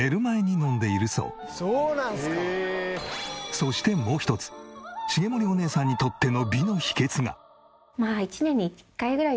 そしてもう一つ茂森おねえさんにとっての美の秘訣が。